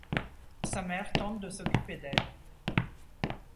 Sa mère tente de s'occuper d'elle.